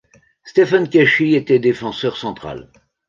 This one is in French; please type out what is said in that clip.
Stephen Keshi était défenseur central.